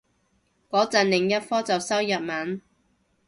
個陣另一科就修日文